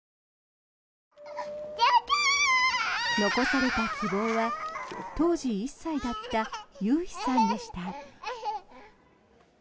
残された希望は当時１歳だった悠陽さんでした。